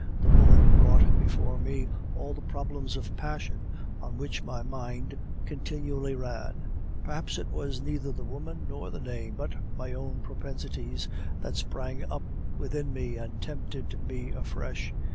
The woman brought before me all the problems of passion on which my mind continually ran. Perhaps it was neither the woman nor the name, but my own propensities, that sprang up within me and tempted me afresh.